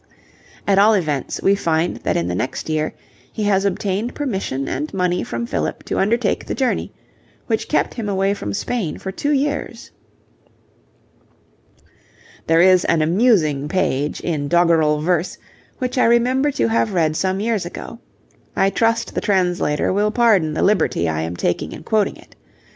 At all events we find that in the next year he has obtained permission and money from Philip to undertake the journey, which kept him away from Spain for two years. There is an amusing page, in doggerel verse, which I remember to have read some years ago. I trust the translator will pardon the liberty I am taking in quoting it.